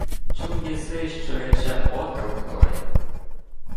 — Чув єси, що рече отрок той?